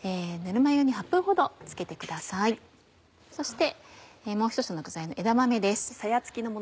そしてもう１つの具材の枝豆です。